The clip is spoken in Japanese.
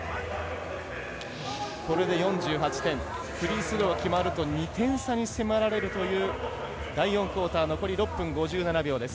これで４８点フリースローが決まると２点差に迫られるという第４クオーター残り６分５７秒です。